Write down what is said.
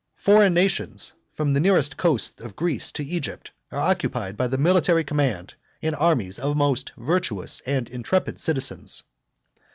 Foreign nations, from the nearest coast of Greece to Egypt, are occupied by the military command and armies of most virtuous and intrepid citizens.